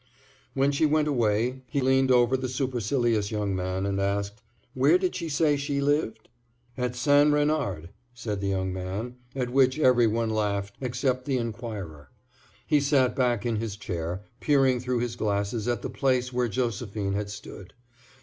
When she went away, he leaned over the supercilious young man and asked: "Where did she say she lived?" "At St. Renard," said the young man; at which every one laughed, except his inquirer. He sat back in his chair, peering through his glasses at the place where Josephine had stood.